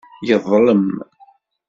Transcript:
Yeḍlem.